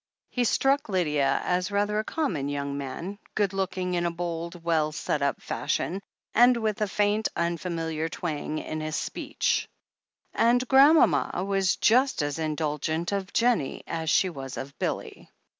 He struck Lydia as rather a common young man, good looking in a bold, well set up fashion, and with a faint, un familiar twang in his speech. And grandmama was just as indulgent of Jennie as she was of Billy.